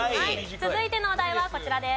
続いてのお題はこちらです。